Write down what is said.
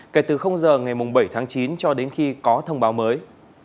kể từ giờ ngày bảy tháng chín cho đến khi có thông báo mới